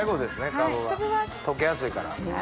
かぶは溶けやすいから。